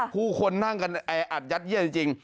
คู่คนนั่งไอ้อัดยัดเย็นจริง